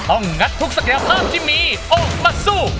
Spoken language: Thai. งัดทุกศักยภาพที่มีออกมาสู้